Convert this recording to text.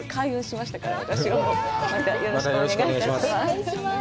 またよろしくお願いします。